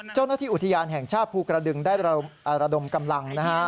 เจ้าหน้าที่อุทยานแห่งชาติภูกระดึงได้ระดมกำลังนะฮะ